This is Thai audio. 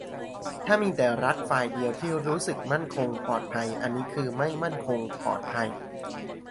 ถ้ามีแต่รัฐฝ่ายเดียวที่รู้สึกมั่นคงปลอดภัย อันนี้คือไม่มั่นคงปลอดภัย